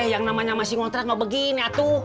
yang namanya masih ngotret gak begini atuh